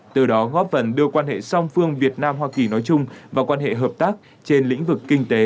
từ đó góp phần đưa quan hệ song phương việt nam hoa kỳ nói chung và quan hệ hợp tác trên lĩnh vực kinh tế